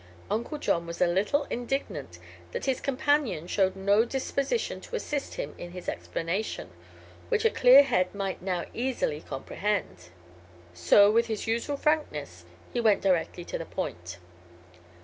Uncle John was a little indignant that his companion showed no disposition to assist him in his explanation, which a clear head might now easily comprehend. So, with his usual frankness, he went directly to the point.